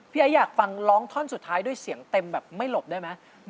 ไอ้อยากฟังร้องท่อนสุดท้ายด้วยเสียงเต็มแบบไม่หลบได้ไหม